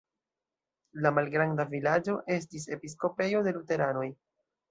La malgranda vilaĝo estis episkopejo de luteranoj.